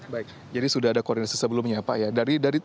baik jadi sudah ada koordinasi sebelumnya pak ya